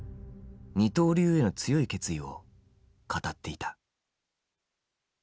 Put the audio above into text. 二刀流への強い決意を語っていた。